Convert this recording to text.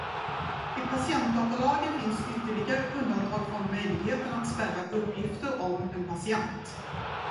I patientdatalagen finns ytterligare undantag från möjligheten att spärra uppgifter om en patient.